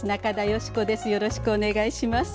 よろしくお願いします。